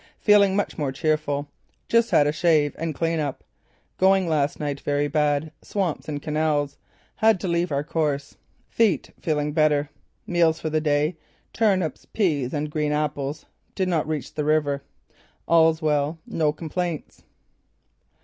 Feeling much more cheerful. Just had a shave and clean up. Going last night very bad. Swamps and canals. Had to leave our course. Feet feeling better. Meals for the day: turnips, peas and green apples. Did not reach the river. All's well. No complaints."